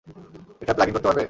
এটা plug in করতে পারবে?